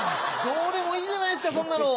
どうでもいいじゃないですかそんなの。